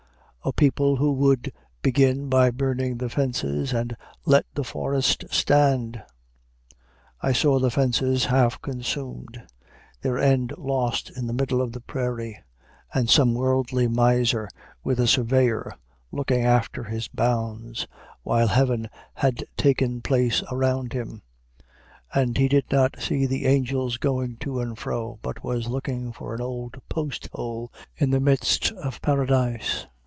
A people who would begin by burning the fences and let the forest stand! I saw the fences half consumed, their ends lost in the middle of the prairie, and some worldly miser with a surveyor looking after his bounds, while heaven had taken place around him, and he did not see the angels going to and fro, but was looking for an old post hole in the midst of paradise.